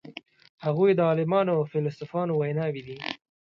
هغوی د عالمانو او فیلسوفانو ویناوی دي.